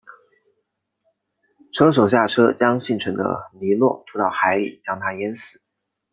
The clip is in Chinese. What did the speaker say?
车手下车将幸存的尼诺拖到海里将他淹死。